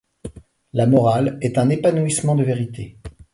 La morale est un épanouissement de vérités.